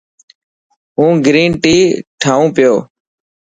هون گرين ٽي ٺاهيون پيو.